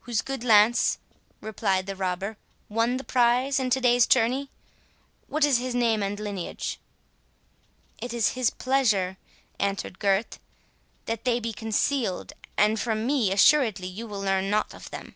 "Whose good lance," replied the robber, "won the prize in to day's tourney? What is his name and lineage?" "It is his pleasure," answered Gurth, "that they be concealed; and from me, assuredly, you will learn nought of them."